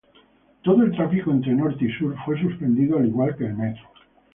Todo el tráfico entre norte y sur fue suspendido, al igual que el metro.